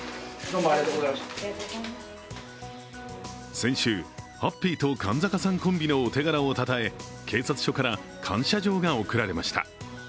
先週、ハッピーと勘坂さんコンビのお手柄をたたえ、警察署から感謝状が贈られました。